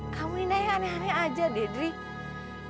kamu nih naya aneh aneh aja deh drik